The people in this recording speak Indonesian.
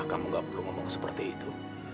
kamu gak perlu ngomong seperti itu